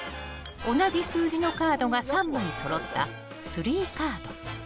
同じ数字のカードが３枚そろったスリーカード。